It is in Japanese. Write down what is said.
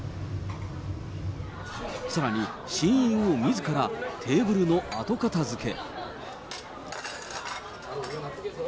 さらに、ＣＥＯみずから、テーブルのあと片づけ。